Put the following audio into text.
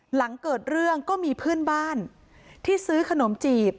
หลังเกิดเรื่องก็มีเพื่อนบ้านที่ซื้อขนมจีบ